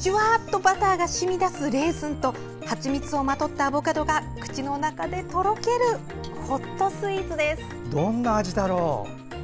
じゅわっとバターがしみ出すレーズンとはちみつをまとったアボカドが口の中でとろけるホットスイーツです。